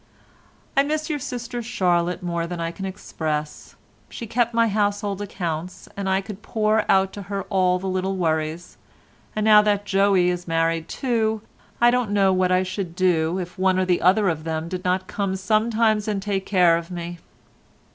"I miss your sister Charlotte more than I can express. She kept my household accounts, and I could pour out to her all little worries, and now that Joey is married too, I don't know what I should do if one or other of them did not come sometimes and take care of me.